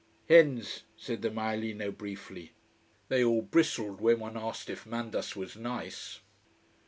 "Hens," said the maialino briefly. They all bristled when one asked if Mandas was nice.